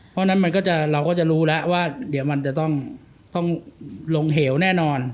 เพราะฉะนั้นเราก็จะรู้แล้วว่าเดี๋ยวมันจะต้องลงเหวแน่นอน